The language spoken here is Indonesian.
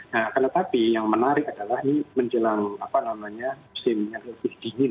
nah karena tapi yang menarik adalah ini menjelang musim dingin